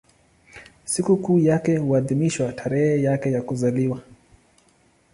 Sikukuu yake huadhimishwa tarehe yake ya kuzaliwa.